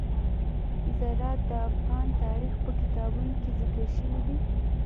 زراعت د افغان تاریخ په کتابونو کې ذکر شوی دي.